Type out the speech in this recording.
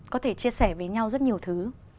có thể chia sẻ với nhau rất nhiều thứ